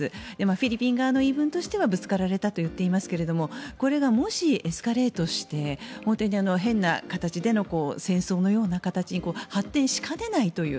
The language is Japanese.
フィリピン側の言い分としてはぶつかられたと言っていますがこれがもしエスカレートして変な形での戦争のような形に発展しかねないという。